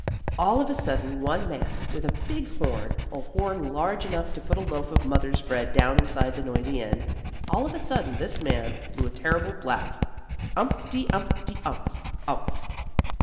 All of a sudden one man, with a big horn a horn large enough to put a loaf of mother's bread down inside the noisy end all of a sudden this man blew a terrible blast "Umpty umpty Umph! Umph!"